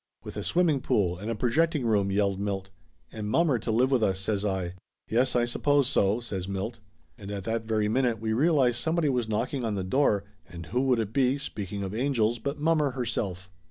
"With a swimming pool and a projecting room!" yelled Milt. "And mommer to live with us !" says I. "Yes, I suppose so!" says Milt. And at that very minute we realized somebody was knocking on the door, and who would it be, speaking of angels, but mommer herself.